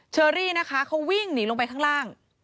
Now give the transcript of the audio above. เชอรี่นะคะเขาวิ่งหนีลงไปข้างล่าง